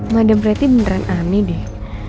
madam preti beneran aneh deh